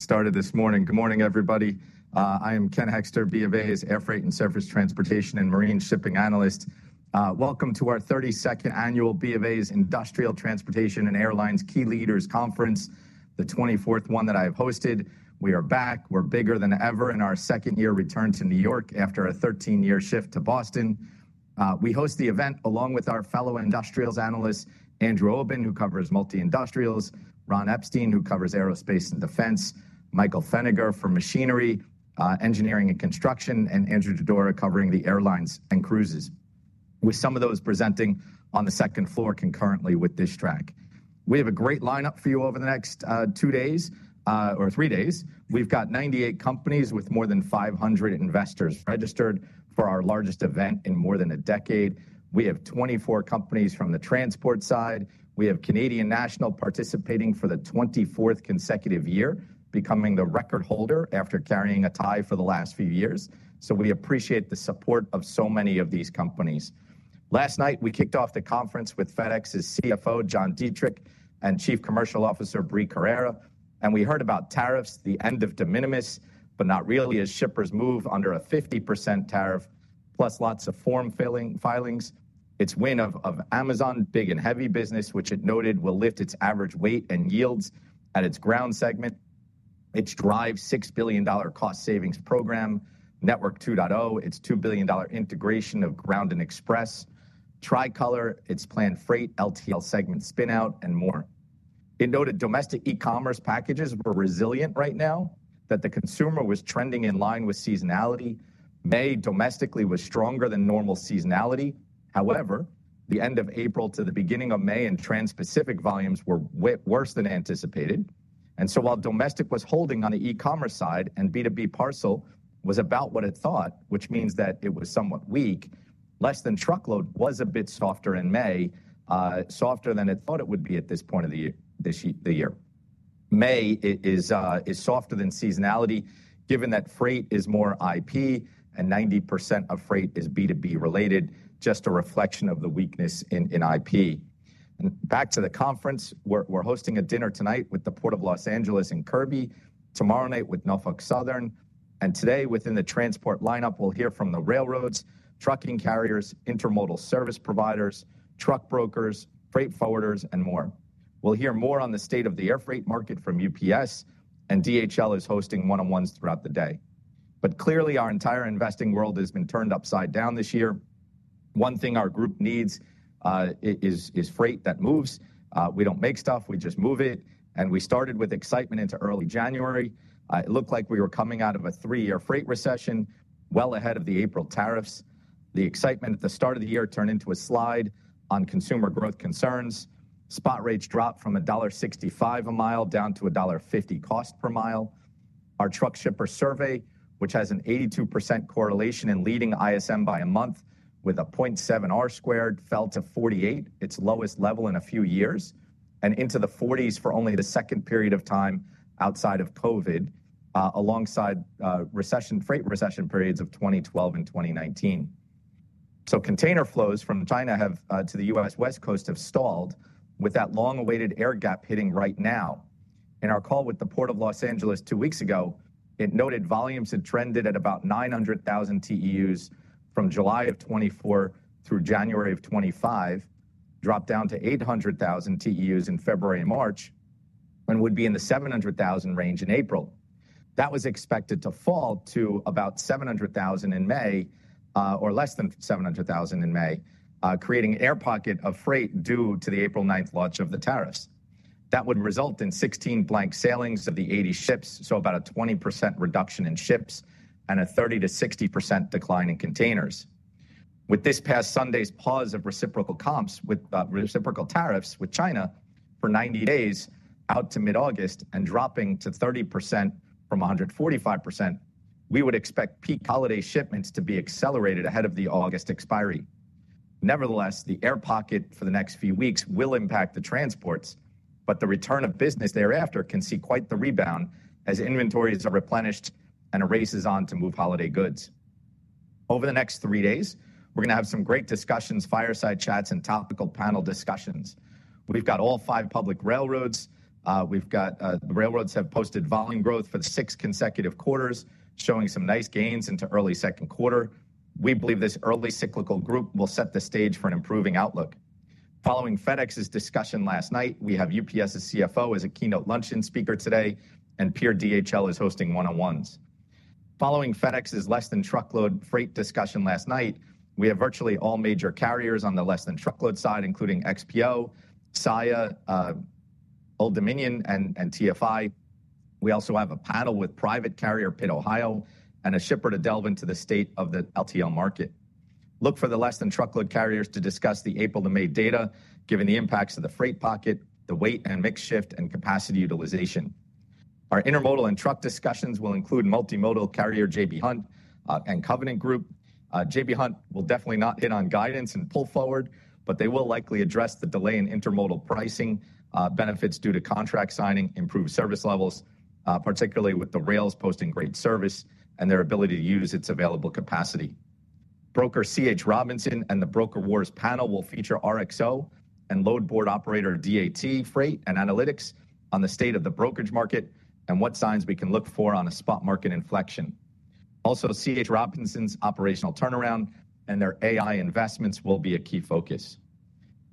Started this morning. Good morning, everybody. I am Ken Heckster, BofA's Air Freight and Surface Transportation and Marine Shipping Analyst. Welcome to our 32nd Annual B of A's Industrial Transportation and Airlines Key Leaders Conference, the 24th one that I have hosted. We are back. We're bigger than ever in our second year return to New York after a 13-year shift to Boston. We host the event along with our fellow industrials analyst, Andrew Obin, who covers multi-industrials, Ron Epstein, who covers aerospace and defense, Michael Feniger for machinery, engineering, and construction, and Andrew Dodora covering the airlines and cruises, with some of those presenting on the second floor concurrently with this track. We have a great lineup for you over the next two days or three days. We've got 98 companies with more than 500 investors registered for our largest event in more than a decade. We have 24 companies from the transport side. We have Canadian National participating for the 24th consecutive year, becoming the record holder after carrying a tie for the last few years. We appreciate the support of so many of these companies. Last night, we kicked off the conference with FedEx's CFO, John Dietrich, and Chief Commercial Officer, Bree Carrera. We heard about tariffs, the end of de minimis, but not really as shippers move under a 50% tariff, plus lots of form filings. It is win of Amazon's big and heavy business, which it noted will lift its average weight and yields at its ground segment. It is drive's $6 billion cost savings program, Network 2.0. It is $2 billion integration of ground and express, Tricolor. It is planned freight, LTL segment spinout, and more. It noted domestic e-commerce packages were resilient right now, that the consumer was trending in line with seasonality. May domestically was stronger than normal seasonality. However, the end of April to the beginning of May and Trans-Pacific volumes were worse than anticipated. While domestic was holding on the e-commerce side and B2B parcel was about what it thought, which means that it was somewhat weak, less than truckload was a bit softer in May, softer than it thought it would be at this point of the year. May is softer than seasonality, given that freight is more IP and 90% of freight is B2B related, just a reflection of the weakness in IP. Back to the conference, we're hosting a dinner tonight with the Port of Los Angeles and Kirby, tomorrow night with Norfolk Southern, and today within the transport lineup, we'll hear from the railroads, trucking carriers, intermodal service providers, truck brokers, freight forwarders, and more. We'll hear more on the state of the air freight market from UPS, and DHL is hosting one-on-ones throughout the day. Clearly, our entire investing world has been turned upside down this year. One thing our group needs is freight that moves. We don't make stuff. We just move it. We started with excitement into early January. It looked like we were coming out of a three-year freight recession, well ahead of the April tariffs. The excitement at the start of the year turned into a slide on consumer growth concerns. Spot rates dropped from $0.65 a mile down to $0.50 cost per mile. Our truck shipper survey, which has an 82% correlation in leading ISM by a month with a 0.7 R-squared, fell to 48, its lowest level in a few years, and into the 40s for only the second period of time outside of COVID, alongside freight recession periods of 2012 and 2019. Container flows from China to the U.S. West Coast have stalled with that long-awaited air gap hitting right now. In our call with the Port of Los Angeles two weeks ago, it noted volumes had trended at about 900,000 TEUs from July of 2024 through January of 2025, dropped down to 800,000 TEUs in February and March, and would be in the 700,000 range in April. That was expected to fall to about 700,000 in May, or less than 700,000 in May, creating an air pocket of freight due to the April 9 launch of the tariffs. That would result in 16 blank sailings of the 80 ships, so about a 20% reduction in ships and a 30-60% decline in containers. With this past Sunday's pause of reciprocal tariffs with China for 90 days out to mid-August and dropping to 30% from 145%, we would expect peak holiday shipments to be accelerated ahead of the August expiry. Nevertheless, the air pocket for the next few weeks will impact the transports, but the return of business thereafter can see quite the rebound as inventories are replenished and a race is on to move holiday goods. Over the next three days, we're going to have some great discussions, fireside chats, and topical panel discussions. We've got all five public railroads. The railroads have posted volume growth for six consecutive quarters, showing some nice gains into early second quarter. We believe this early cyclical group will set the stage for an improving outlook. Following FedEx's discussion last night, we have UPS's CFO as a keynote luncheon speaker today, and peer DHL is hosting one-on-ones. Following FedEx's less than truckload freight discussion last night, we have virtually all major carriers on the less than truckload side, including XPO, SAIA, Old Dominion, and TFI. We also have a panel with private carrier PITT OHIO and a shipper to delve into the state of the LTL market. Look for the less than truckload carriers to discuss the April-May data, given the impacts of the freight pocket, the weight and mix shift, and capacity utilization. Our intermodal and truck discussions will include multimodal carrier J.B. Hunt. Hunt and Covenant Logistics Group. J.B. Hunt will definitely not hit on guidance and pull forward, but they will likely address the delay in intermodal pricing benefits due to contract signing, improved service levels, particularly with the rails posting great service and their ability to use its available capacity. Broker C.H. Robinson and the Broker Wars panel will feature RXO and load board operator DAT Freight & Analytics on the state of the brokerage market and what signs we can look for on a spot market inflection. Also, C.H. Robinson's operational turnaround and their AI investments will be a key focus.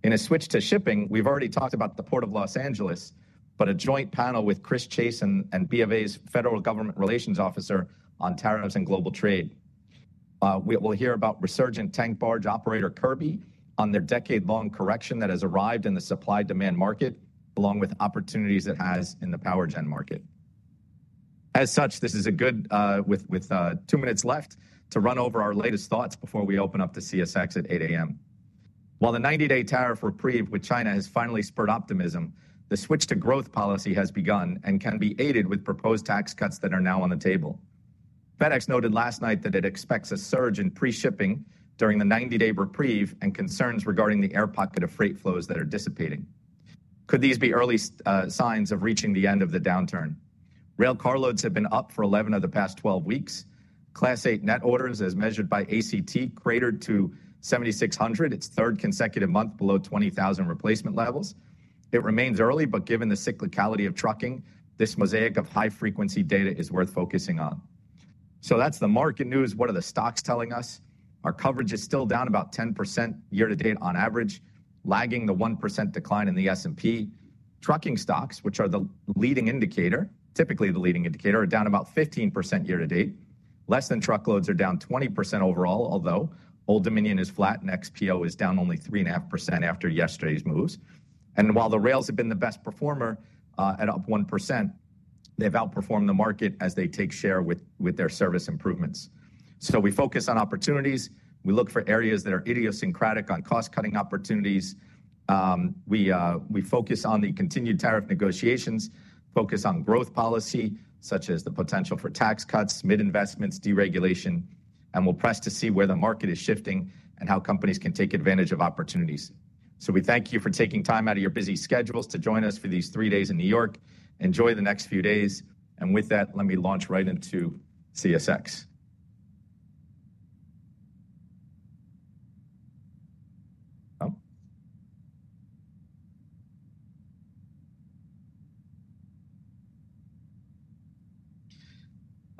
In a switch to shipping, we've already talked about the Port of Los Angeles, but a joint panel with Chris Chase and Bank of America's Federal Government Relations Officer on tariffs and global trade. We'll hear about resurgent tank barge operator Kirby on their decade-long correction that has arrived in the supply-demand market, along with opportunities it has in the power gen market. As such, this is a good, with two minutes left, to run over our latest thoughts before we open up to CSX at 8:00 A.M. While the 90-day tariff reprieve with China has finally spurred optimism, the switch to growth policy has begun and can be aided with proposed tax cuts that are now on the table. FedEx noted last night that it expects a surge in pre-shipping during the 90-day reprieve and concerns regarding the air pocket of freight flows that are dissipating. Could these be early signs of reaching the end of the downturn? Rail carloads have been up for 11 of the past 12 weeks. Class 8 net orders, as measured by ACT, cratered to 7,600, its third consecutive month below 20,000 replacement levels. It remains early, but given the cyclicality of trucking, this mosaic of high-frequency data is worth focusing on. That is the market news. What are the stocks telling us? Our coverage is still down about 10% year-to-date on average, lagging the 1% decline in the S&P. Trucking stocks, which are the leading indicator, typically the leading indicator, are down about 15% year-to-date. Less than truckloads are down 20% overall, although Old Dominion is flat and XPO is down only 3.5% after yesterday's moves. While the rails have been the best performer at up 1%, they have outperformed the market as they take share with their service improvements. We focus on opportunities. We look for areas that are idiosyncratic on cost-cutting opportunities. We focus on the continued tariff negotiations, focus on growth policy such as the potential for tax cuts, mid-investments, deregulation, and we'll press to see where the market is shifting and how companies can take advantage of opportunities. We thank you for taking time out of your busy schedules to join us for these three days in New York. Enjoy the next few days. With that, let me launch right into CSX.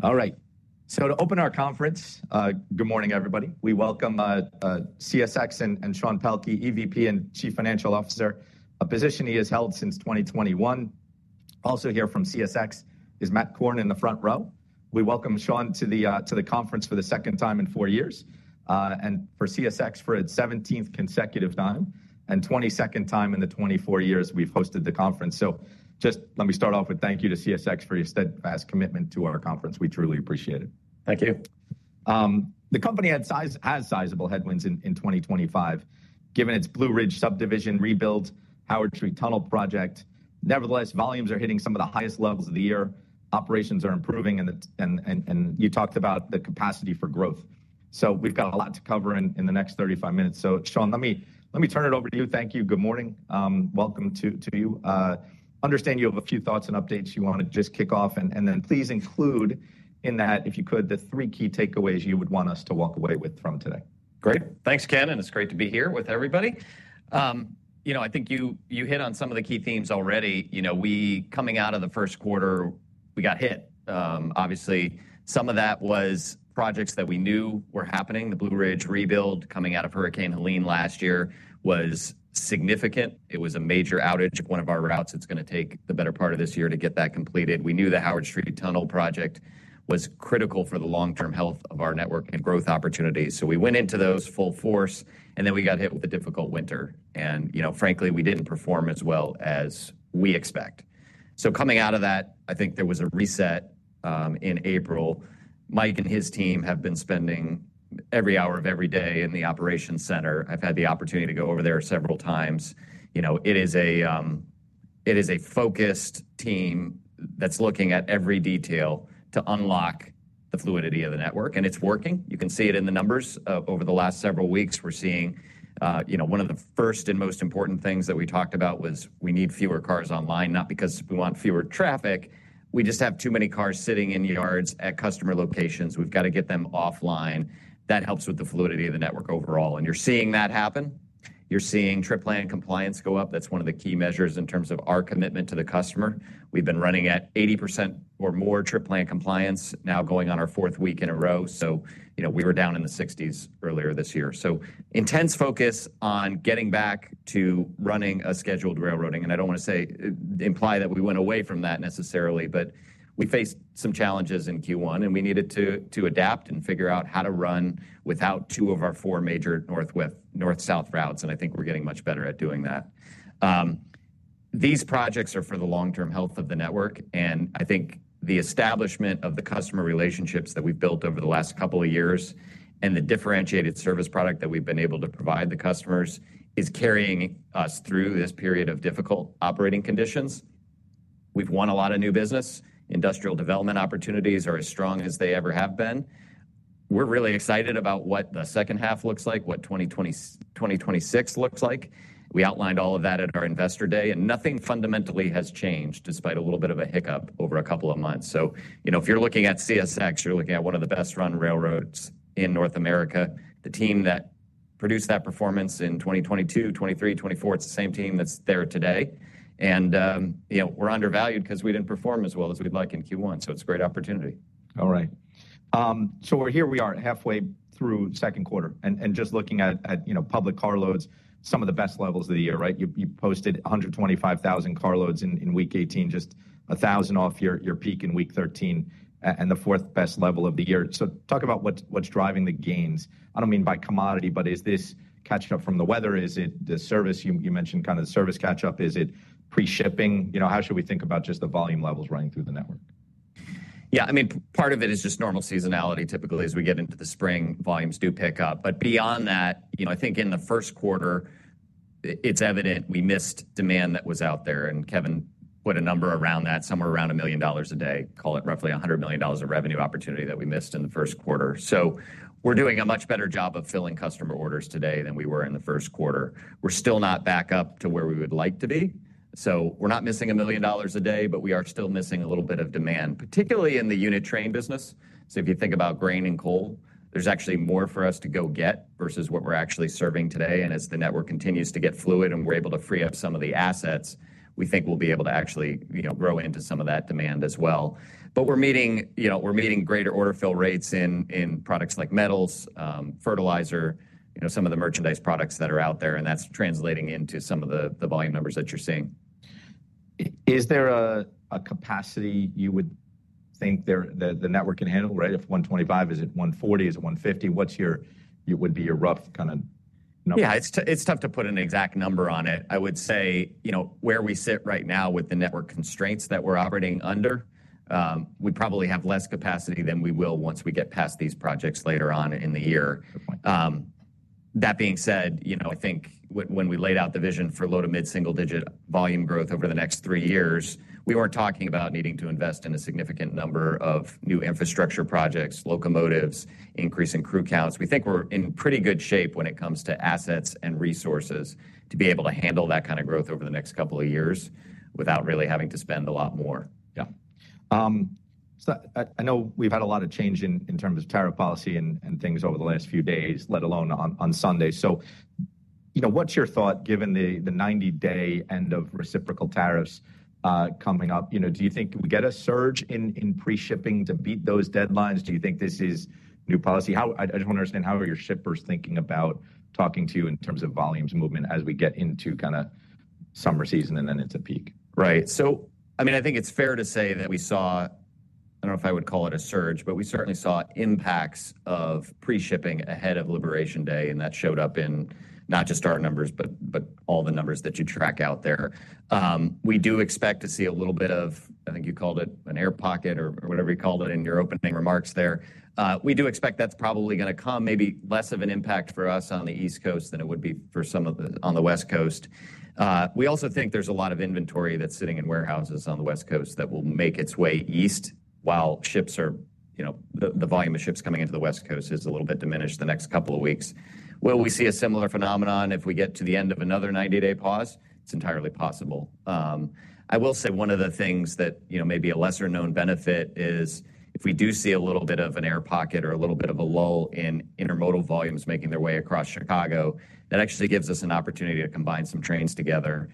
All right. To open our conference, good morning, everybody. We welcome CSX and Sean Pelkey, EVP and Chief Financial Officer, a position he has held since 2021. Also here from CSX is Matt Korn in the front row. We welcome Sean to the conference for the second time in four years and for CSX for its 17th consecutive time and 22nd time in the 24 years we've hosted the conference. Just let me start off with thank you to CSX for your steadfast commitment to our conference. We truly appreciate it. Thank you. The company has sizable headwinds in 2025, given its Blue Ridge subdivision rebuild, Howard Street Tunnel project. Nevertheless, volumes are hitting some of the highest levels of the year. Operations are improving, and you talked about the capacity for growth. We have a lot to cover in the next 35 minutes. Sean, let me turn it over to you. Thank you. Good morning. Welcome to you. I understand you have a few thoughts and updates you want to just kick off, and then please include in that, if you could, the three key takeaways you would want us to walk away with from today. Great. Thanks, Ken. It's great to be here with everybody. I think you hit on some of the key themes already. Coming out of the first quarter, we got hit. Obviously, some of that was projects that we knew were happening. The Blue Ridge rebuild coming out of Hurricane Helene last year was significant. It was a major outage of one of our routes. It's going to take the better part of this year to get that completed. We knew the Howard Street Tunnel project was critical for the long-term health of our network and growth opportunities. We went into those full force, and then we got hit with a difficult winter. Frankly, we didn't perform as well as we expect. Coming out of that, I think there was a reset in April. Mike and his team have been spending every hour of every day in the operations center. I've had the opportunity to go over there several times. It is a focused team that's looking at every detail to unlock the fluidity of the network. It is working. You can see it in the numbers. Over the last several weeks, we're seeing one of the first and most important things that we talked about was we need fewer cars online, not because we want fewer traffic. We just have too many cars sitting in yards at customer locations. We've got to get them offline. That helps with the fluidity of the network overall. You are seeing that happen. You are seeing trip plan compliance go up. That is one of the key measures in terms of our commitment to the customer. We've been running at 80% or more trip plan compliance now going on our fourth week in a row. We were down in the 60s earlier this year. Intense focus on getting back to running a scheduled railroading. I don't want to imply that we went away from that necessarily, but we faced some challenges in Q1, and we needed to adapt and figure out how to run without two of our four major north-south routes. I think we're getting much better at doing that. These projects are for the long-term health of the network. I think the establishment of the customer relationships that we've built over the last couple of years and the differentiated service product that we've been able to provide the customers is carrying us through this period of difficult operating conditions. We've won a lot of new business. Industrial development opportunities are as strong as they ever have been. We're really excited about what the second half looks like, what 2026 looks like. We outlined all of that at our investor day, and nothing fundamentally has changed despite a little bit of a hiccup over a couple of months. If you're looking at CSX, you're looking at one of the best-run railroads in North America. The team that produced that performance in 2022, 2023, 2024, it's the same team that's there today. We're undervalued because we didn't perform as well as we'd like in Q1. It's a great opportunity. All right. Here we are halfway through second quarter. Just looking at public carloads, some of the best levels of the year, right? You posted 125,000 carloads in week 18, just 1,000 off your peak in week 13, and the fourth best level of the year. Talk about what's driving the gains. I don't mean by commodity, but is this catching up from the weather? Is it the service? You mentioned kind of the service catch-up. Is it pre-shipping? How should we think about just the volume levels running through the network? Yeah. I mean, part of it is just normal seasonality. Typically, as we get into the spring, volumes do pick up. Beyond that, I think in the first quarter, it's evident we missed demand that was out there. Kevin put a number around that, somewhere around $1 million a day, call it roughly $100 million of revenue opportunity that we missed in the first quarter. We are doing a much better job of filling customer orders today than we were in the first quarter. We're still not back up to where we would like to be. We're not missing $1 million a day, but we are still missing a little bit of demand, particularly in the unit train business. If you think about grain and coal, there's actually more for us to go get versus what we're actually serving today. As the network continues to get fluid and we're able to free up some of the assets, we think we'll be able to actually grow into some of that demand as well. We're meeting greater order fill rates in products like metals, fertilizer, some of the merchandise products that are out there. That's translating into some of the volume numbers that you're seeing. Is there a capacity you would think the network can handle, right? If 125, is it 140? Is it 150? What would be your rough kind of number? Yeah. It's tough to put an exact number on it. I would say where we sit right now with the network constraints that we're operating under, we probably have less capacity than we will once we get past these projects later on in the year. That being said, I think when we laid out the vision for low to mid-single-digit volume growth over the next three years, we weren't talking about needing to invest in a significant number of new infrastructure projects, locomotives, increasing crew counts. We think we're in pretty good shape when it comes to assets and resources to be able to handle that kind of growth over the next couple of years without really having to spend a lot more. Yeah. I know we've had a lot of change in terms of tariff policy and things over the last few days, let alone on Sunday. What's your thought given the 90-day end of reciprocal tariffs coming up? Do you think we get a surge in pre-shipping to beat those deadlines? Do you think this is new policy? I just want to understand how are your shippers thinking about talking to you in terms of volumes movement as we get into kind of summer season and then into peak? Right. I mean, I think it's fair to say that we saw, I don't know if I would call it a surge, but we certainly saw impacts of pre-shipping ahead of Liberation Day. That showed up in not just our numbers, but all the numbers that you track out there. We do expect to see a little bit of, I think you called it an air pocket or whatever you called it in your opening remarks there. We do expect that's probably going to come, maybe less of an impact for us on the East Coast than it would be for some of the on the West Coast. We also think there's a lot of inventory that's sitting in warehouses on the West Coast that will make its way east while the volume of ships coming into the West Coast is a little bit diminished the next couple of weeks. Will we see a similar phenomenon if we get to the end of another 90-day pause? It's entirely possible. I will say one of the things that may be a lesser-known benefit is if we do see a little bit of an air pocket or a little bit of a lull in intermodal volumes making their way across Chicago, that actually gives us an opportunity to combine some trains together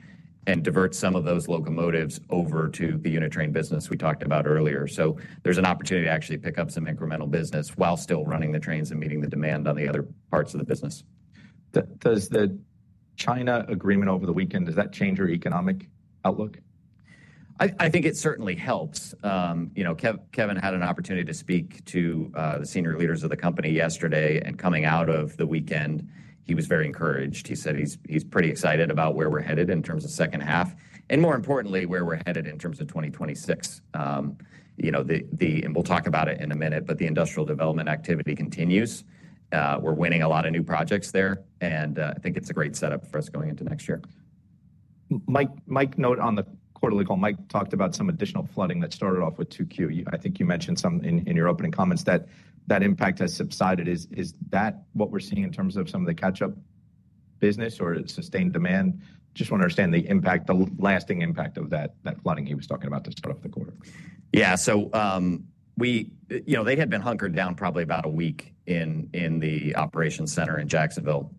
and divert some of those locomotives over to the unit train business we talked about earlier. There is an opportunity to actually pick up some incremental business while still running the trains and meeting the demand on the other parts of the business. Does the China agreement over the weekend, does that change your economic outlook? I think it certainly helps. Kevin had an opportunity to speak to the senior leaders of the company yesterday. Coming out of the weekend, he was very encouraged. He said he's pretty excited about where we're headed in terms of second half and, more importantly, where we're headed in terms of 2026. We'll talk about it in a minute, but the industrial development activity continues. We're winning a lot of new projects there. I think it's a great setup for us going into next year. Mike, note on the quarterly call, Mike talked about some additional flooding that started off with 2Q. I think you mentioned some in your opening comments that that impact has subsided. Is that what we're seeing in terms of some of the catch-up business or sustained demand? Just want to understand the impact, the lasting impact of that flooding he was talking about to start off the quarter. Yeah. They had been hunkered down probably about a week in the operations center in Jacksonville.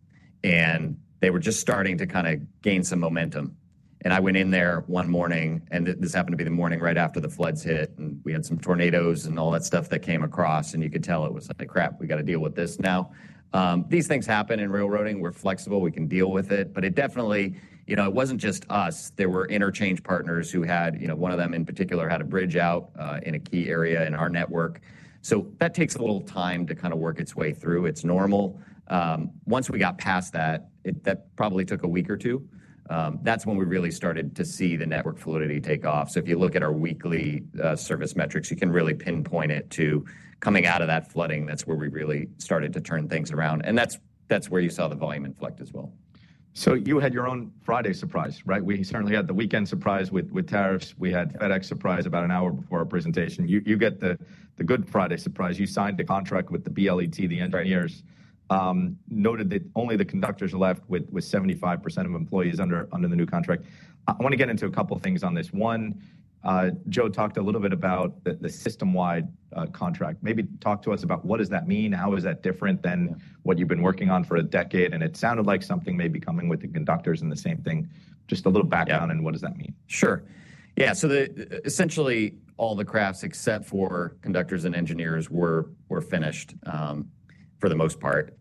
They were just starting to kind of gain some momentum. I went in there one morning, and this happened to be the morning right after the floods hit. We had some tornadoes and all that stuff that came across. You could tell it was like, "Crap, we got to deal with this now." These things happen in railroading. We're flexible. We can deal with it. It definitely wasn't just us. There were interchange partners who had, one of them in particular had a bridge out in a key area in our network. That takes a little time to kind of work its way through. It's normal. Once we got past that, that probably took a week or two. That's when we really started to see the network fluidity take off. If you look at our weekly service metrics, you can really pinpoint it to coming out of that flooding. That's where we really started to turn things around. That's where you saw the volume inflect as well. You had your own Friday surprise, right? We certainly had the weekend surprise with tariffs. We had FedEx surprise about an hour before our presentation. You get the good Friday surprise. You signed the contract with the BLET, the engineers, noted that only the conductors left with 75% of employees under the new contract. I want to get into a couple of things on this. One, Joe talked a little bit about the system-wide contract. Maybe talk to us about what does that mean? How is that different than what you've been working on for a decade? It sounded like something maybe coming with the conductors and the same thing. Just a little background on what does that mean? Sure. Yeah. So essentially, all the crafts except for conductors and engineers were finished for the most part.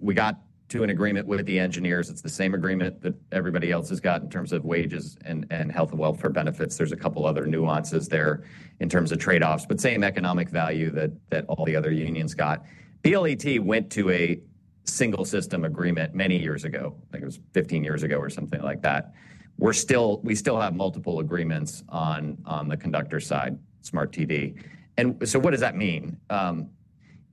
We got to an agreement with the engineers. It's the same agreement that everybody else has got in terms of wages and health and welfare benefits. There's a couple of other nuances there in terms of trade-offs, but same economic value that all the other unions got. BLET went to a single system agreement many years ago. I think it was 15 years ago or something like that. We still have multiple agreements on the conductor side, Smart TV. What does that mean?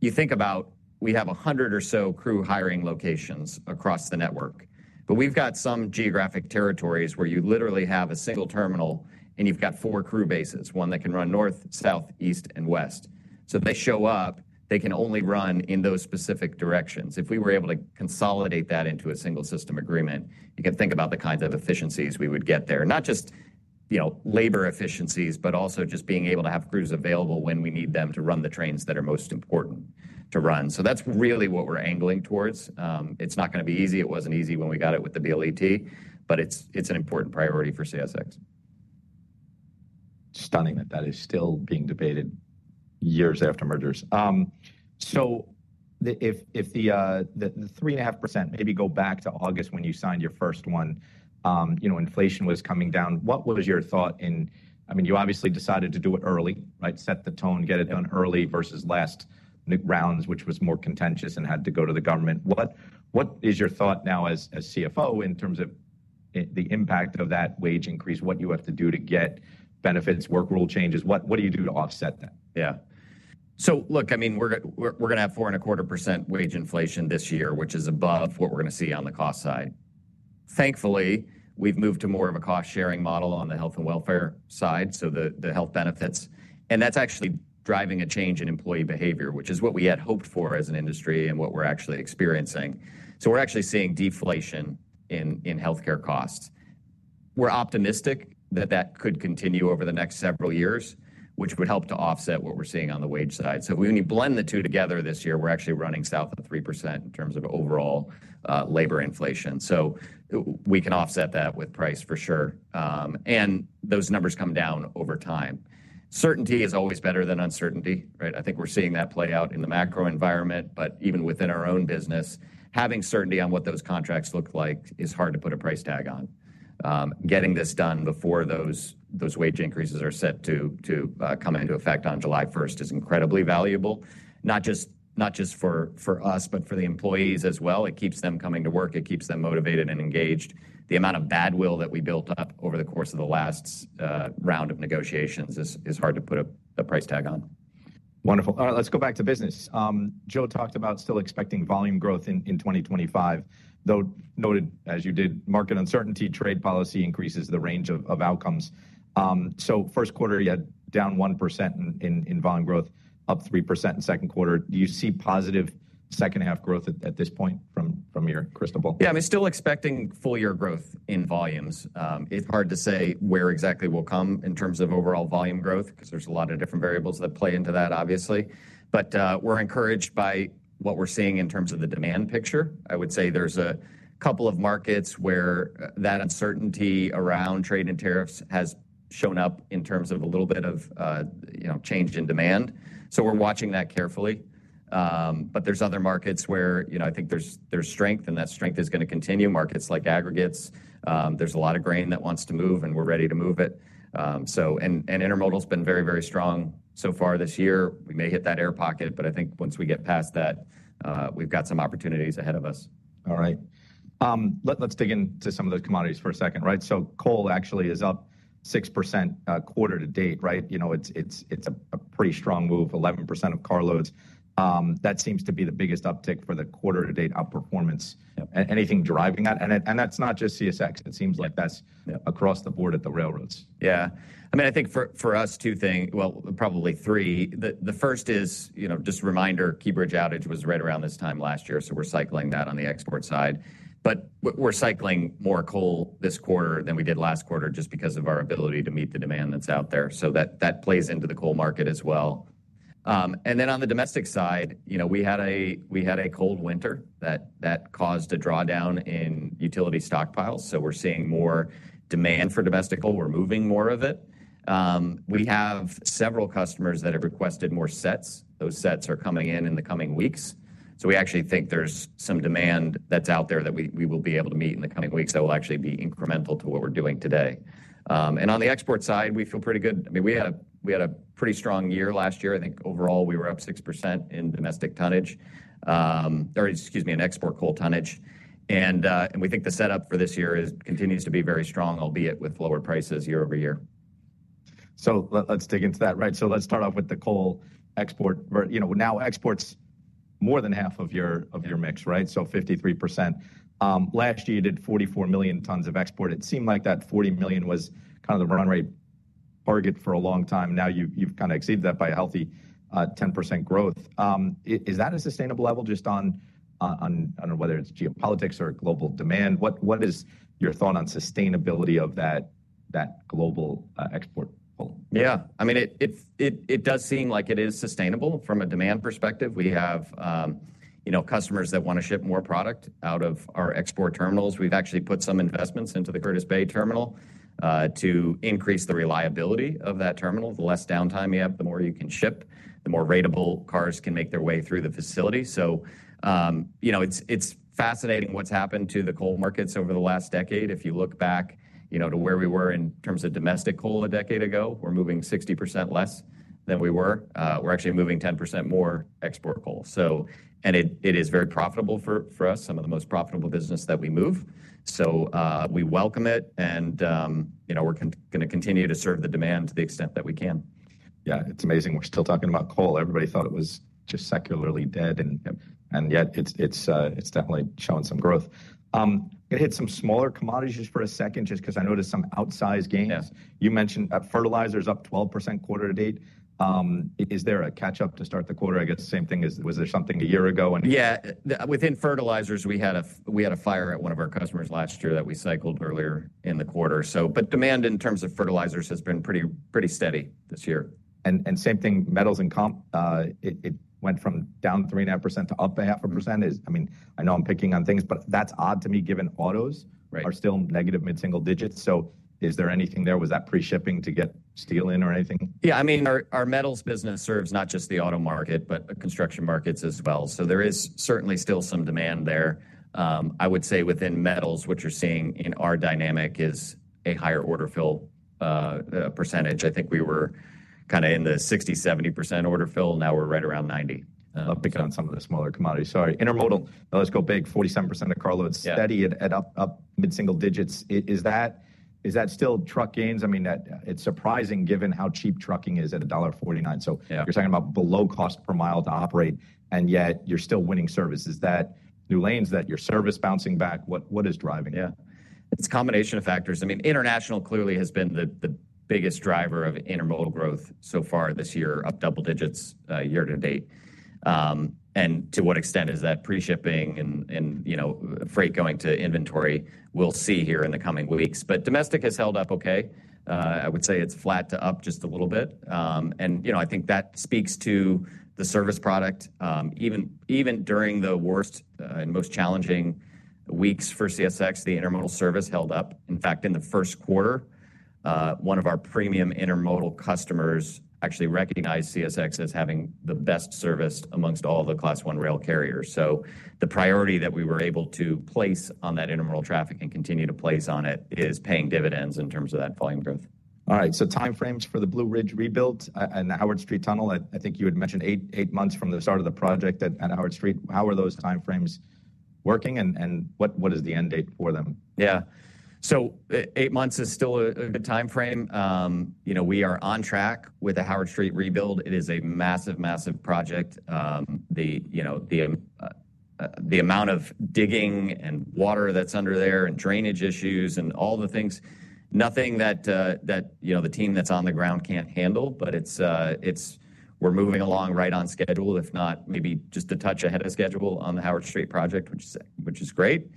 You think about we have 100 or so crew hiring locations across the network. We've got some geographic territories where you literally have a single terminal and you've got four crew bases, one that can run north, south, east, and west. If they show up, they can only run in those specific directions. If we were able to consolidate that into a single system agreement, you can think about the kinds of efficiencies we would get there. Not just labor efficiencies, but also just being able to have crews available when we need them to run the trains that are most important to run. That's really what we're angling towards. It's not going to be easy. It wasn't easy when we got it with the BLET, but it's an important priority for CSX. Stunning that that is still being debated years after mergers. If the 3.5%—maybe go back to August when you signed your first one—inflation was coming down. What was your thought in, I mean, you obviously decided to do it early, right? Set the tone, get it done early versus last rounds, which was more contentious and had to go to the government. What is your thought now as CFO in terms of the impact of that wage increase, what you have to do to get benefits, work rule changes? What do you do to offset that? Yeah. So look, I mean, we're going to have 4.25% wage inflation this year, which is above what we're going to see on the cost side. Thankfully, we've moved to more of a cost-sharing model on the health and welfare side, so the health benefits. And that's actually driving a change in employee behavior, which is what we had hoped for as an industry and what we're actually experiencing. We're actually seeing deflation in healthcare costs. We're optimistic that that could continue over the next several years, which would help to offset what we're seeing on the wage side. When you blend the two together this year, we're actually running south of 3% in terms of overall labor inflation. We can offset that with price for sure. Those numbers come down over time. Certainty is always better than uncertainty, right? I think we're seeing that play out in the macro environment, but even within our own business, having certainty on what those contracts look like is hard to put a price tag on. Getting this done before those wage increases are set to come into effect on July 1 is incredibly valuable, not just for us, but for the employees as well. It keeps them coming to work. It keeps them motivated and engaged. The amount of bad will that we built up over the course of the last round of negotiations is hard to put a price tag on. Wonderful. All right. Let's go back to business. Joe talked about still expecting volume growth in 2025, though noted, as you did, market uncertainty, trade policy increases the range of outcomes. First quarter, you had down 1% in volume growth, up 3% in second quarter. Do you see positive second half growth at this point from your crystal ball? Yeah. I mean, still expecting full year growth in volumes. It's hard to say where exactly we'll come in terms of overall volume growth because there's a lot of different variables that play into that, obviously. We're encouraged by what we're seeing in terms of the demand picture. I would say there's a couple of markets where that uncertainty around trade and tariffs has shown up in terms of a little bit of change in demand. We're watching that carefully. There are other markets where I think there's strength, and that strength is going to continue. Markets like aggregates, there's a lot of grain that wants to move, and we're ready to move it. Intermodal has been very, very strong so far this year. We may hit that air pocket, but I think once we get past that, we've got some opportunities ahead of us. All right. Let's dig into some of those commodities for a second, right? So coal actually is up 6% quarter to date, right? It's a pretty strong move, 11% of carloads. That seems to be the biggest uptick for the quarter to date outperformance. Anything driving that? That is not just CSX. It seems like that is across the board at the railroads. Yeah. I mean, I think for us, two things, well, probably three. The first is just a reminder, key bridge outage was right around this time last year. We are cycling that on the export side. We are cycling more coal this quarter than we did last quarter just because of our ability to meet the demand that's out there. That plays into the coal market as well. On the domestic side, we had a cold winter that caused a drawdown in utility stockpiles. We are seeing more demand for domestic coal. We are moving more of it. We have several customers that have requested more sets. Those sets are coming in in the coming weeks. We actually think there's some demand that's out there that we will be able to meet in the coming weeks that will actually be incremental to what we're doing today. On the export side, we feel pretty good. I mean, we had a pretty strong year last year. I think overall we were up 6% in domestic tonnage, or excuse me, in export coal tonnage. We think the setup for this year continues to be very strong, albeit with lower prices year over year. Let's dig into that, right? Let's start off with the coal export. Now exports are more than half of your mix, right? So 53%. Last year, you did 44 million tons of export. It seemed like that 40 million was kind of the run rate target for a long time. Now you've kind of exceeded that by a healthy 10% growth. Is that a sustainable level just on, I don't know whether it's geopolitics or global demand? What is your thought on sustainability of that global export? Yeah. I mean, it does seem like it is sustainable from a demand perspective. We have customers that want to ship more product out of our export terminals. We've actually put some investments into the Curtis Bay terminal to increase the reliability of that terminal. The less downtime you have, the more you can ship, the more ratable cars can make their way through the facility. It's fascinating what's happened to the coal markets over the last decade. If you look back to where we were in terms of domestic coal a decade ago, we're moving 60% less than we were. We're actually moving 10% more export coal. It is very profitable for us, some of the most profitable business that we move. We welcome it, and we're going to continue to serve the demand to the extent that we can. Yeah. It's amazing. We're still talking about coal. Everybody thought it was just secularly dead, and yet it's definitely shown some growth. I'm going to hit some smaller commodities just for a second just because I noticed some outsized gains. You mentioned fertilizers up 12% quarter to date. Is there a catch-up to start the quarter? I guess the same thing as was there something a year ago? Yeah. Within fertilizers, we had a fire at one of our customers last year that we cycled earlier in the quarter. Demand in terms of fertilizers has been pretty steady this year. Same thing, metals and comp, it went from down 3.5% to up 0.5%. I mean, I know I'm picking on things, but that's odd to me given autos are still negative mid-single digits. Is there anything there? Was that pre-shipping to get steel in or anything? Yeah. I mean, our metals business serves not just the auto market, but construction markets as well. There is certainly still some demand there. I would say within metals, what you're seeing in our dynamic is a higher order fill percentage. I think we were kind of in the 60-70% order fill. Now we're right around 90%. Because of some of the smaller commodities. Sorry. Intermodal, let's go big. 47% of carloads, steady at mid-single digits. Is that still truck gains? I mean, it's surprising given how cheap trucking is at $0.49. So you're talking about below cost per mile to operate, and yet you're still winning service. Is that new lanes that your service bouncing back? What is driving it? Yeah. It's a combination of factors. I mean, international clearly has been the biggest driver of intermodal growth so far this year, up double digits year to date. To what extent is that pre-shipping and freight going to inventory? We'll see here in the coming weeks. Domestic has held up okay. I would say it's flat to up just a little bit. I think that speaks to the service product. Even during the worst and most challenging weeks for CSX, the intermodal service held up. In fact, in the first quarter, one of our premium intermodal customers actually recognized CSX as having the best service amongst all the class one rail carriers. The priority that we were able to place on that intermodal traffic and continue to place on it is paying dividends in terms of that volume growth. All right. Timeframes for the Blue Ridge rebuild and the Howard Street Tunnel, I think you had mentioned eight months from the start of the project at Howard Street. How are those timeframes working, and what is the end date for them? Yeah. Eight months is still a good timeframe. We are on track with the Howard Street rebuild. It is a massive, massive project. The amount of digging and water that's under there and drainage issues and all the things, nothing that the team that's on the ground can't handle, but we're moving along right on schedule, if not maybe just a touch ahead of schedule on the Howard Street project, which is great.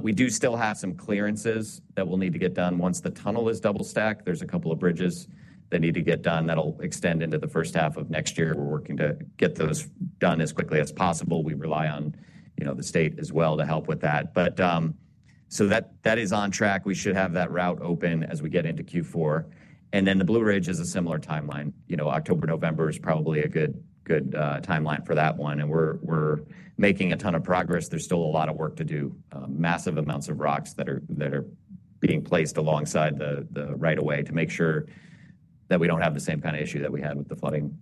We do still have some clearances that we'll need to get done once the tunnel is double stacked. There's a couple of bridges that need to get done that'll extend into the first half of next year. We're working to get those done as quickly as possible. We rely on the state as well to help with that. That is on track. We should have that route open as we get into Q4. The Blue Ridge is a similar timeline. October, November is probably a good timeline for that one. We're making a ton of progress. There's still a lot of work to do. Massive amounts of rocks are being placed alongside the right of way to make sure that we do not have the same kind of issue that we had with the flooding.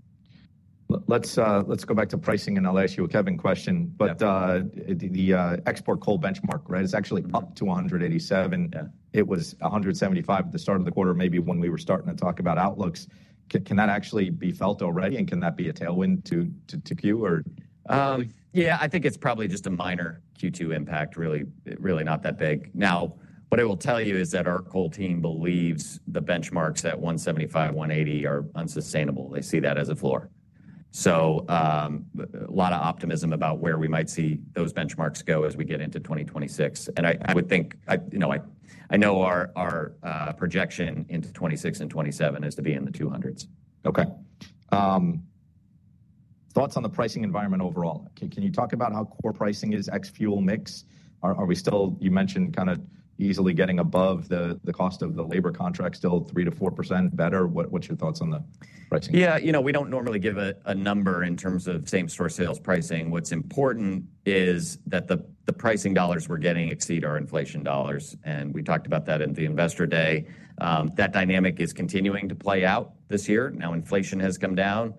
Let's go back to pricing, and I'll ask you a cabin question. The export coal benchmark, right, is actually up $287. It was $175 at the start of the quarter, maybe when we were starting to talk about outlooks. Can that actually be felt already, and can that be a tailwind to Q or? Yeah. I think it's probably just a minor Q2 impact, really. Really not that big. Now, what I will tell you is that our coal team believes the benchmarks at $175-$180 are unsustainable. They see that as a floor. A lot of optimism about where we might see those benchmarks go as we get into 2026. I would think I know our projection into 2026 and 2027 is to be in the $200s. Okay. Thoughts on the pricing environment overall? Can you talk about how core pricing is ex-fuel mix? Are we still, you mentioned kind of easily getting above the cost of the labor contract, still 3-4% better? What's your thoughts on the pricing? Yeah. You know, we don't normally give a number in terms of same-store sales pricing. What's important is that the pricing dollars we're getting exceed our inflation dollars. We talked about that at the investor day. That dynamic is continuing to play out this year. Now, inflation has come down.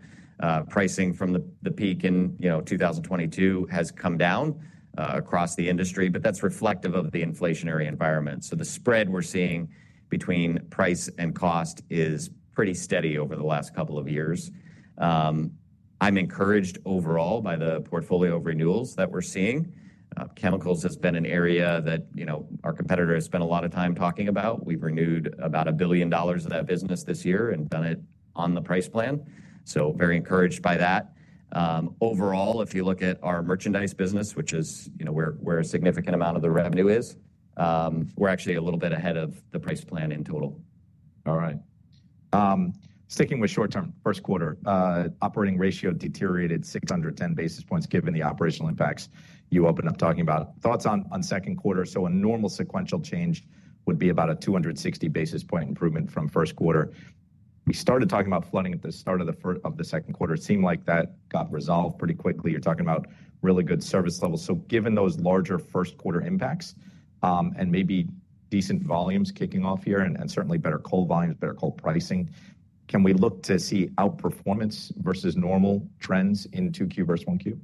Pricing from the peak in 2022 has come down across the industry, but that's reflective of the inflationary environment. The spread we're seeing between price and cost is pretty steady over the last couple of years. I'm encouraged overall by the portfolio of renewals that we're seeing. Chemicals has been an area that our competitor has spent a lot of time talking about. We've renewed about $1 billion of that business this year and done it on the price plan. Very encouraged by that. Overall, if you look at our merchandise business, which is where a significant amount of the revenue is, we're actually a little bit ahead of the price plan in total. All right. Sticking with short-term, first quarter, operating ratio deteriorated 610 basis points given the operational impacts you opened up talking about. Thoughts on second quarter? A normal sequential change would be about a 260 basis point improvement from first quarter. We started talking about flooding at the start of the second quarter. It seemed like that got resolved pretty quickly. You are talking about really good service levels. Given those larger first quarter impacts and maybe decent volumes kicking off here and certainly better coal volumes, better coal pricing, can we look to see outperformance versus normal trends in 2Q versus 1Q?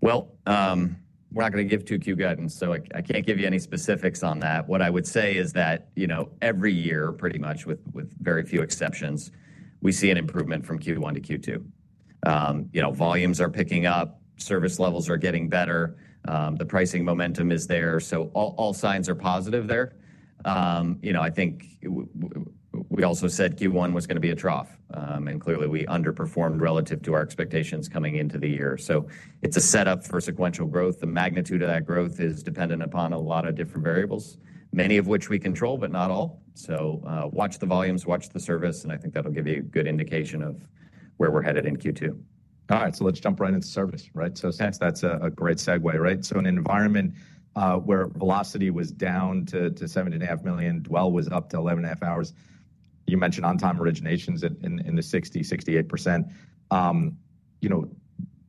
We're not going to give 2Q guidance, so I can't give you any specifics on that. What I would say is that every year, pretty much with very few exceptions, we see an improvement from Q1 to Q2. Volumes are picking up. Service levels are getting better. The pricing momentum is there. All signs are positive there. I think we also said Q1 was going to be a trough, and clearly we underperformed relative to our expectations coming into the year. It is a setup for sequential growth. The magnitude of that growth is dependent upon a lot of different variables, many of which we control, but not all. Watch the volumes, watch the service, and I think that'll give you a good indication of where we're headed in Q2. All right. Let's jump right into service, right? That's a great segue, right? In an environment where velocity was down to $7.5 million, dwell was up to 11.5 hours. You mentioned on-time originations in the 60, 68% range,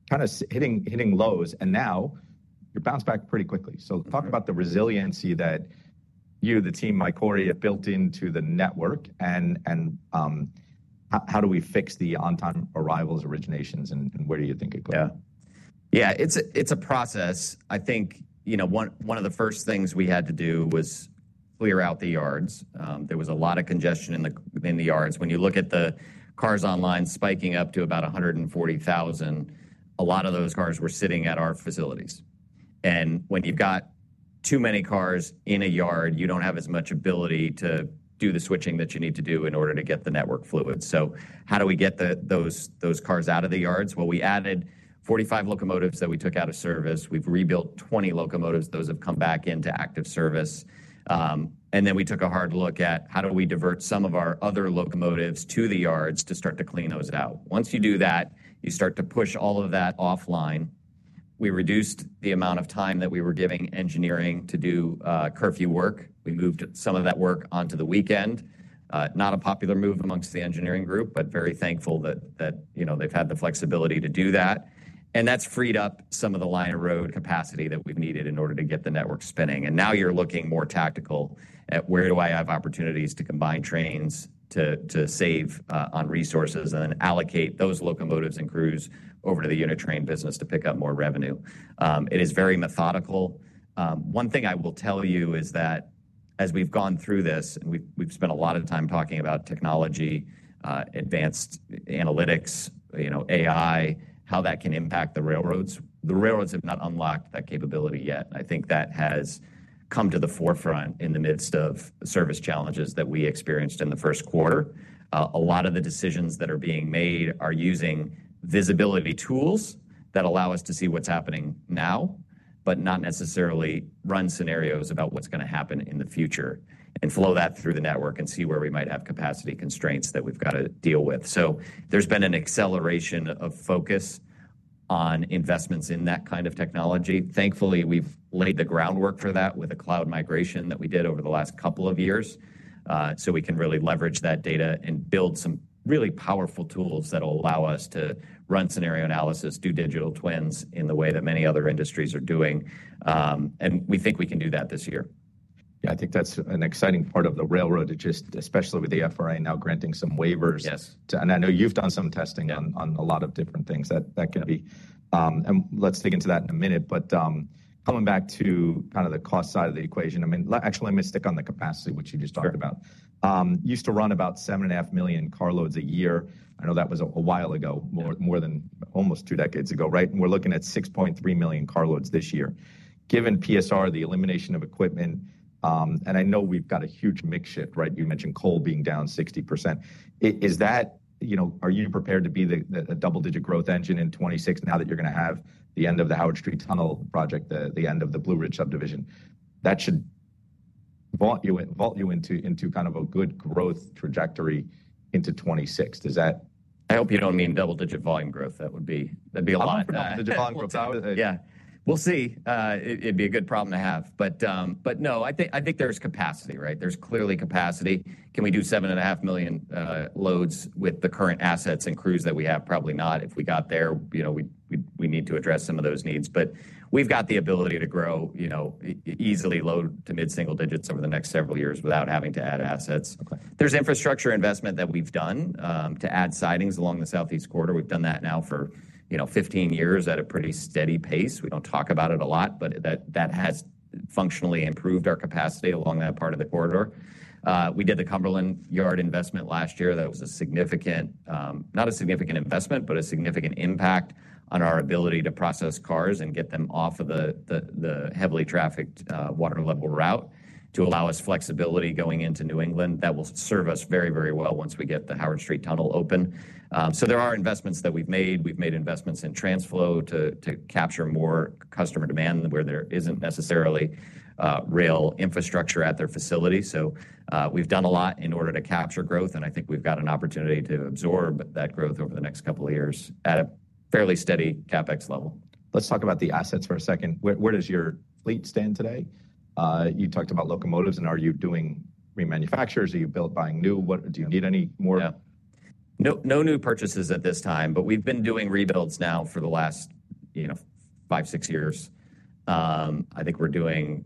kind of hitting lows, and now you've bounced back pretty quickly. Talk about the resiliency that you, the team, Mike Corey have built into the network, and how do we fix the on-time arrivals, originations, and where do you think it goes? Yeah. Yeah. It's a process. I think one of the first things we had to do was clear out the yards. There was a lot of congestion in the yards. When you look at the cars online spiking up to about 140,000, a lot of those cars were sitting at our facilities. When you've got too many cars in a yard, you don't have as much ability to do the switching that you need to do in order to get the network fluid. How do we get those cars out of the yards? We added 45 locomotives that we took out of service. We've rebuilt 20 locomotives. Those have come back into active service. We took a hard look at how do we divert some of our other locomotives to the yards to start to clean those out. Once you do that, you start to push all of that offline. We reduced the amount of time that we were giving engineering to do curfew work. We moved some of that work onto the weekend. Not a popular move amongst the engineering group, but very thankful that they've had the flexibility to do that. That has freed up some of the line of road capacity that we've needed in order to get the network spinning. Now you're looking more tactical at where do I have opportunities to combine trains to save on resources and then allocate those locomotives and crews over to the unit train business to pick up more revenue. It is very methodical. One thing I will tell you is that as we've gone through this and we've spent a lot of time talking about technology, advanced analytics, AI, how that can impact the railroads, the railroads have not unlocked that capability yet. I think that has come to the forefront in the midst of service challenges that we experienced in the first quarter. A lot of the decisions that are being made are using visibility tools that allow us to see what's happening now, but not necessarily run scenarios about what's going to happen in the future and flow that through the network and see where we might have capacity constraints that we've got to deal with. There's been an acceleration of focus on investments in that kind of technology. Thankfully, we've laid the groundwork for that with a cloud migration that we did over the last couple of years. We can really leverage that data and build some really powerful tools that will allow us to run scenario analysis, do digital twins in the way that many other industries are doing. We think we can do that this year. Yeah. I think that's an exciting part of the railroad, especially with the FRA now granting some waivers. I know you've done some testing on a lot of different things that can be. Let's dig into that in a minute. Coming back to kind of the cost side of the equation, I mean, actually, let me stick on the capacity, which you just talked about. Used to run about 7.5 million carloads a year. I know that was a while ago, more than almost two decades ago, right? We're looking at 6.3 million carloads this year. Given PSR, the elimination of equipment, and I know we've got a huge mix shift, right? You mentioned coal being down 60%. Are you prepared to be a double-digit growth engine in 2026 now that you're going to have the end of the Howard Street Tunnel project, the end of the Blue Ridge subdivision? That should vault you into kind of a good growth trajectory into 2026. Does that? I hope you don't mean double-digit volume growth. That would be a lot. Double-digit volume growth. Yeah. We'll see. It'd be a good problem to have. No, I think there's capacity, right? There's clearly capacity. Can we do 7.5 million loads with the current assets and crews that we have? Probably not. If we got there, we need to address some of those needs. We've got the ability to grow easily low to mid-single digits over the next several years without having to add assets. There's infrastructure investment that we've done to add sidings along the southeast corridor. We've done that now for 15 years at a pretty steady pace. We don't talk about it a lot, but that has functionally improved our capacity along that part of the corridor. We did the Cumberland Yard investment last year. That was a significant, not a significant investment, but a significant impact on our ability to process cars and get them off of the heavily trafficked water level route to allow us flexibility going into New England. That will serve us very, very well once we get the Howard Street Tunnel open. There are investments that we've made. We've made investments in TransFlow to capture more customer demand where there isn't necessarily rail infrastructure at their facility. We've done a lot in order to capture growth, and I think we've got an opportunity to absorb that growth over the next couple of years at a fairly steady CapEx level. Let's talk about the assets for a second. Where does your fleet stand today? You talked about locomotives, and are you doing remanufactures? Are you buying new? Do you need any more? Yeah. No new purchases at this time, but we've been doing rebuilds now for the last five, six years. I think we're doing,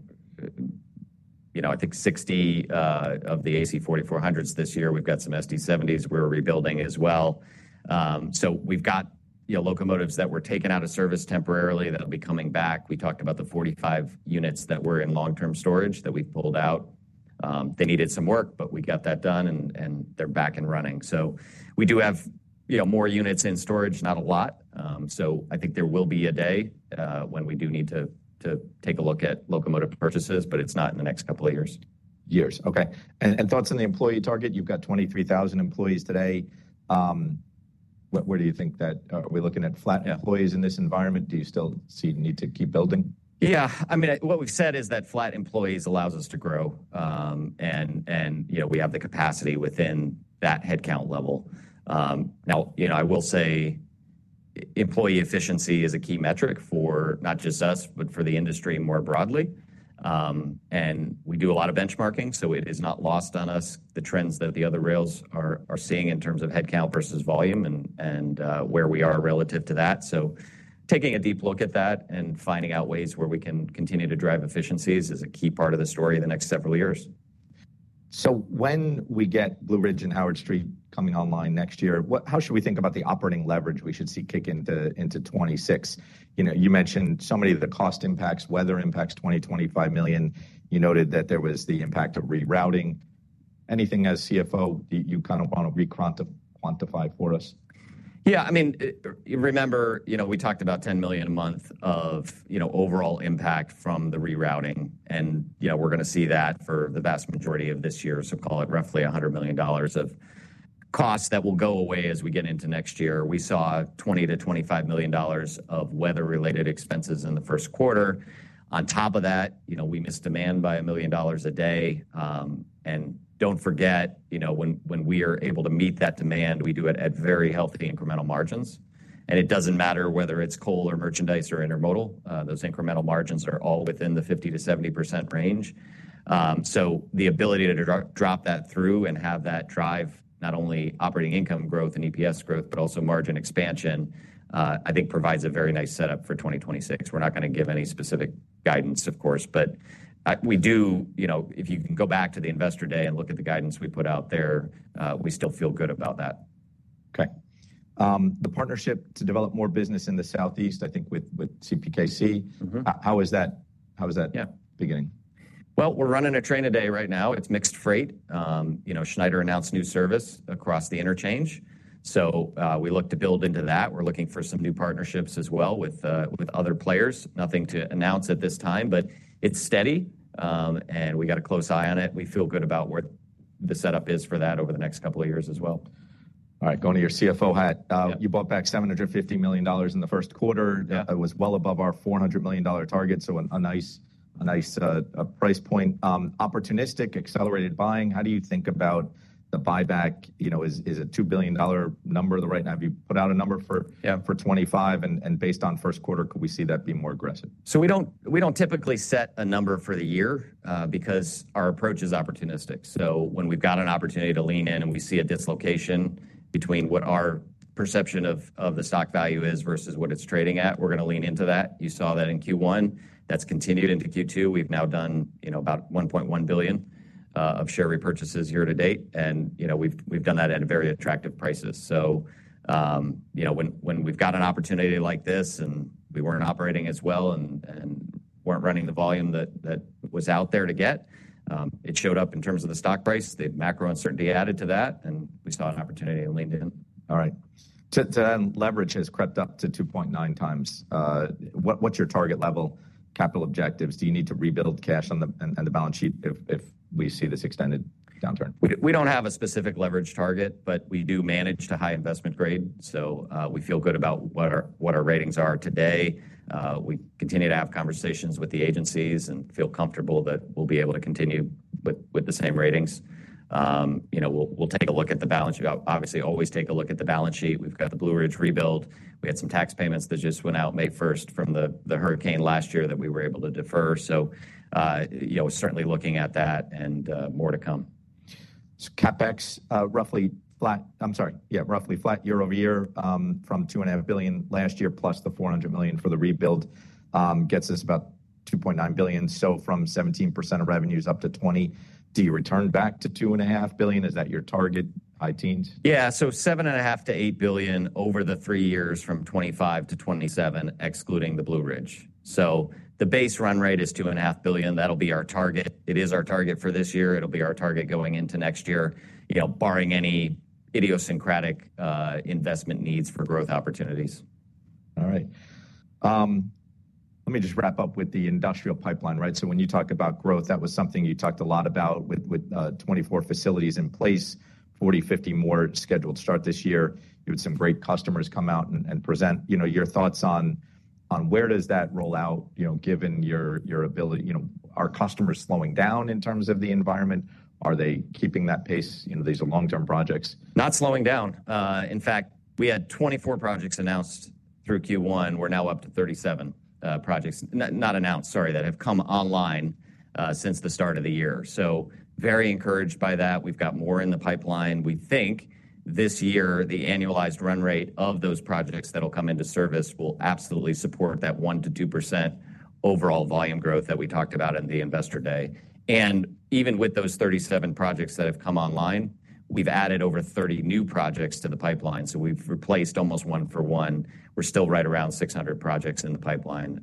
I think, 60 of the AC 4400s this year. We've got some SD 70s we're rebuilding as well. We've got locomotives that were taken out of service temporarily that will be coming back. We talked about the 45 units that were in long-term storage that we've pulled out. They needed some work, but we got that done, and they're back and running. We do have more units in storage, not a lot. I think there will be a day when we do need to take a look at locomotive purchases, but it's not in the next couple of years. Years. Okay. Thoughts on the employee target? You've got 23,000 employees today. Where do you think that are we looking at flat employees in this environment? Do you still see the need to keep building? Yeah. I mean, what we've said is that flat employees allows us to grow, and we have the capacity within that headcount level. I will say employee efficiency is a key metric for not just us, but for the industry more broadly. We do a lot of benchmarking, so it is not lost on us the trends that the other rails are seeing in terms of headcount versus volume and where we are relative to that. Taking a deep look at that and finding out ways where we can continue to drive efficiencies is a key part of the story of the next several years. When we get Blue Ridge and Howard Street coming online next year, how should we think about the operating leverage we should see kick into 2026? You mentioned so many of the cost impacts, weather impacts, $20 million-$25 million. You noted that there was the impact of rerouting. Anything as CFO, you kind of want to re-quantify for us? Yeah. I mean, remember, we talked about $10 million a month of overall impact from the rerouting, and we're going to see that for the vast majority of this year. Call it roughly $100 million of costs that will go away as we get into next year. We saw $20-$25 million of weather-related expenses in the first quarter. On top of that, we missed demand by $1 million a day. And don't forget, when we are able to meet that demand, we do it at very healthy incremental margins. It doesn't matter whether it's coal or merchandise or intermodal. Those incremental margins are all within the 50%-70% range. The ability to drop that through and have that drive not only operating income growth and EPS growth, but also margin expansion, I think provides a very nice setup for 2026. We're not going to give any specific guidance, of course, but we do, if you can go back to the investor day and look at the guidance we put out there, we still feel good about that. Okay. The partnership to develop more business in the Southeast, I think with CPKC, how is that beginning? We're running a train a day right now. It's mixed freight. Schneider announced new service across the interchange. We look to build into that. We're looking for some new partnerships as well with other players. Nothing to announce at this time, but it's steady, and we got a close eye on it. We feel good about where the setup is for that over the next couple of years as well. All right. Going to your CFO hat. You bought back $750 million in the first quarter. That was well above our $400 million target, so a nice price point. Opportunistic accelerated buying. How do you think about the buyback? Is a $2 billion number the right? Have you put out a number for 2025? Based on first quarter, could we see that be more aggressive? We don't typically set a number for the year because our approach is opportunistic. When we've got an opportunity to lean in and we see a dislocation between what our perception of the stock value is versus what it's trading at, we're going to lean into that. You saw that in Q1. That's continued into Q2. We've now done about $1.1 billion of share repurchases year to date, and we've done that at very attractive prices. When we've got an opportunity like this and we weren't operating as well and weren't running the volume that was out there to get, it showed up in terms of the stock price. The macro uncertainty added to that, and we saw an opportunity and leaned in. All right. To then, leverage has crept up to 2.9 times. What's your target level capital objectives? Do you need to rebuild cash on the balance sheet if we see this extended downturn? We do not have a specific leverage target, but we do manage to high investment grade. We feel good about what our ratings are today. We continue to have conversations with the agencies and feel comfortable that we will be able to continue with the same ratings. We will take a look at the balance. You obviously always take a look at the balance sheet. We have got the Blue Ridge rebuild. We had some tax payments that just went out May 1 from the hurricane last year that we were able to defer. Certainly looking at that and more to come. CapEx, roughly flat, I'm sorry, yeah, roughly flat year over year from $2.5 billion last year plus the $400 million for the rebuild gets us about $2.9 billion. From 17% of revenues up to 20%, do you return back to $2.5 billion? Is that your target, high teens? Yeah. $7.5 billion-$8 billion over the three years from 2025 to 2027, excluding the Blue Ridge. The base run rate is $2.5 billion. That'll be our target. It is our target for this year. It'll be our target going into next year, barring any idiosyncratic investment needs for growth opportunities. All right. Let me just wrap up with the industrial pipeline, right? When you talk about growth, that was something you talked a lot about with 24 facilities in place, 40-50 more scheduled to start this year. You had some great customers come out and present your thoughts on where does that roll out given your ability. Are customers slowing down in terms of the environment? Are they keeping that pace? These are long-term projects. Not slowing down. In fact, we had 24 projects announced through Q1. We're now up to 37 projects, not announced, sorry, that have come online since the start of the year. Very encouraged by that. We've got more in the pipeline. We think this year the annualized run rate of those projects that will come into service will absolutely support that 1-2% overall volume growth that we talked about in the investor day. Even with those 37 projects that have come online, we've added over 30 new projects to the pipeline. We've replaced almost one for one. We're still right around 600 projects in the pipeline.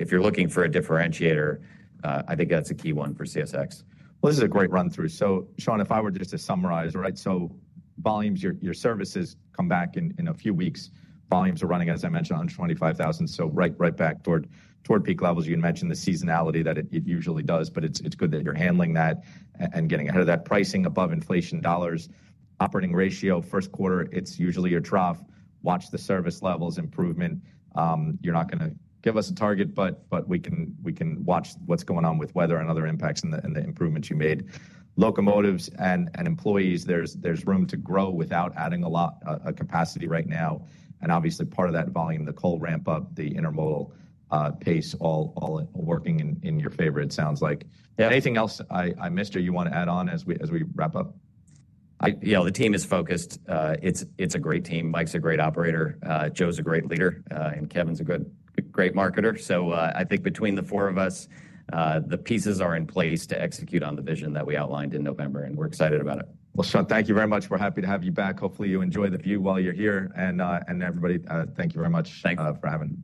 If you're looking for a differentiator, I think that's a key one for CSX. This is a great run-through. Sean, if I were just to summarize, right? Volumes, your services come back in a few weeks. Volumes are running, as I mentioned, under 25,000. Right back toward peak levels. You mentioned the seasonality that it usually does, but it's good that you're handling that and getting ahead of that. Pricing above inflation dollars. Operating ratio, first quarter, it's usually your trough. Watch the service levels improvement. You're not going to give us a target, but we can watch what's going on with weather and other impacts and the improvements you made. Locomotives and employees, there's room to grow without adding a lot of capacity right now. Obviously, part of that volume, the coal ramp-up, the intermodal pace, all working in your favor, it sounds like. Anything else I missed or you want to add on as we wrap up? Yeah. The team is focused. It's a great team. Mike's a great operator. Joe's a great leader, and Kevin's a good, great marketer. I think between the four of us, the pieces are in place to execute on the vision that we outlined in November, and we're excited about it. Sean, thank you very much. We're happy to have you back. Hopefully, you enjoy the view while you're here. Everybody, thank you very much. Thank you. For having us.